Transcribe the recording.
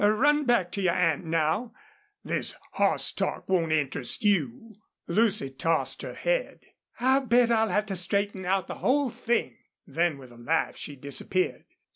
Run back to your aunt now. This hoss talk won't interest you." Lucy tossed her head. "I'll bet I'll have to straighten out the whole thing." Then with a laugh she disappeared.